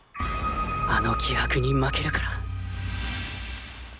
あの気迫に負けるから